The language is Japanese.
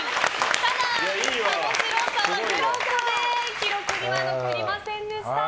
ただ、佐野史郎さんは０個で記録には残りませんでした。